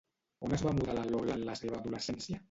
On es va mudar la Lola en la seva adolescència?